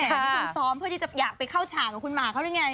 แต่นี่คุณซ้อมเพื่อที่จะอยากไปเข้าฉากกับคุณหมาเขาหรือไง